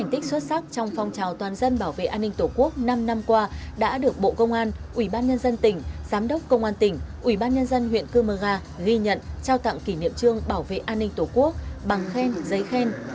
giám đốc công an tỉnh ủy ban nhân dân huyện cơ mơ gà ghi nhận trao tặng kỷ niệm trương bảo vệ an ninh tổ quốc bằng khen giấy khen